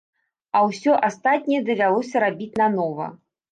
А ўсё астатняе давялося рабіць нанова.